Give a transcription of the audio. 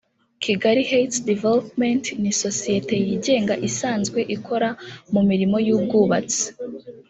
Kigali Heights Development ni sosiyete yigenga isanzwe ikora mu mirimo y’ubwubatsi